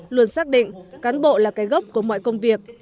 luôn xác định cán bộ là cái gốc của mọi công việc